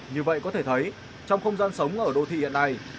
như vậy có thể thấy trong không gian sống ở đô thị hiện nay